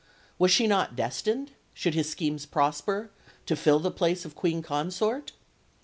Was she not destined, should his schemes prosper, to fill the place of Queen Consort?